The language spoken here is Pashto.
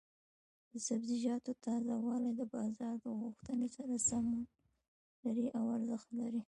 د سبزیجاتو تازه والي د بازار د غوښتنې سره سمون لري او ارزښت لري.